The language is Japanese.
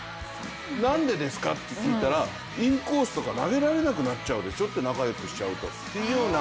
何でですかと聞いたらインコースとか投げられなくなっちゃうでしょ、仲よくしちゃうとっていうような。